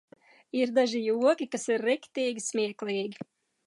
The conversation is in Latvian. Ir daži joki, kas ir riktīgi smieklīgi.